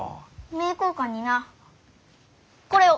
名教館になこれを。